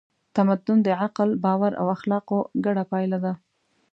تمدن د عقل، باور او اخلاقو ګډه پایله ده.